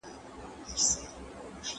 دوی ویل چي مغولو لویه تېروتنه کړي ده.